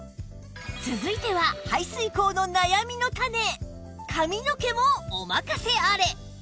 続いては排水口の悩みの種髪の毛もお任せあれ！